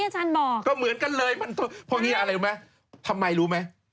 ต้องเหมือนราสิตุ้นที่ชั้นบอก